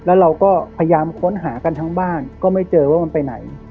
แล้วเราก็พยายามค้นหากันทั้งบ้านก็ไม่เจอว่ามันไปไหน